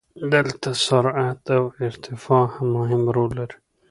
دلته سرعت او ارتفاع مهم رول لري.